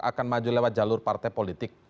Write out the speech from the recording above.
akan maju lewat jalur partai politik